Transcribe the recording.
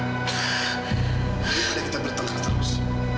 biar pada kita bertengkar terus